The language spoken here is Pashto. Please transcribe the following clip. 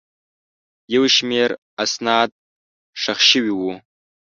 یو شمېر اسناد ښخ شوي وو.